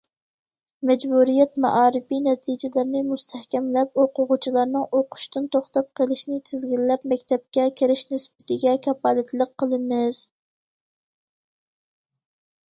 مەجبۇرىيەت مائارىپى نەتىجىلىرىنى مۇستەھكەملەپ، ئوقۇغۇچىلارنىڭ ئوقۇشتىن توختاپ قېلىشىنى تىزگىنلەپ مەكتەپكە كىرىش نىسبىتىگە كاپالەتلىك قىلىمىز.